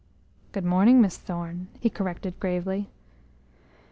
"Good morning, Miss Thorne," he corrected gravely.